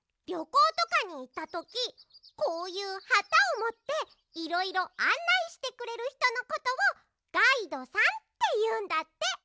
りょこうとかにいったときこういうはたをもっていろいろあんないしてくれるひとのことをガイドさんっていうんだって。